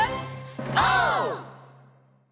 オー！